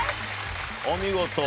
お見事。